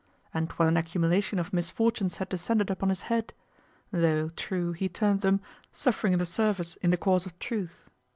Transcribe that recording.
And what an accumulation of misfortunes had descended upon his head! though, true, he termed them "suffering in the Service in the cause of Truth."